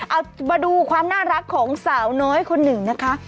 เอามาดูความน่ารักของสาวน้อยคนหนึ่งนะคะ